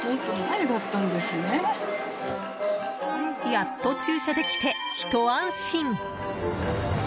やっと駐車できて、ひと安心。